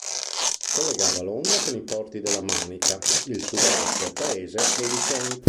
Collegava Londra con i porti della Manica, il sud-ovest del paese e il Kent.